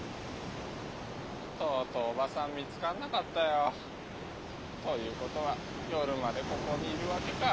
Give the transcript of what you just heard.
とうとうおばさん見つかんなかったよ。ということは夜までここにいるわけか。